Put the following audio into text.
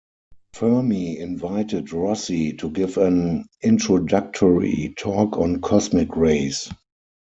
Fermi invited Rossi to give an introductory talk on cosmic rays.